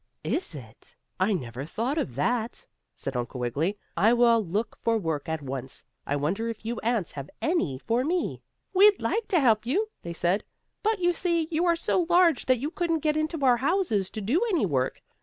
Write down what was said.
"Is it? I never thought of that," said Uncle Wiggily. "I will look for work at once. I wonder if you ants have any for me." "We'd like to help you," they said, "but you see you are so large that you couldn't get into our houses to do any work.